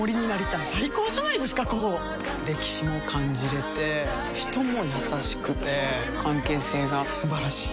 歴史も感じれて人も優しくて関係性が素晴らしい。